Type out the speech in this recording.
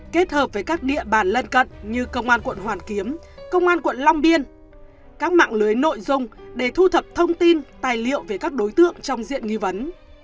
kết hợp với các địa bàn lân cận như công an quận hoàn kiếm công an quận long biên các mạng lưới nội dung để thu thập thông tin tài liệu về các đối tượng trong diện nghi vấn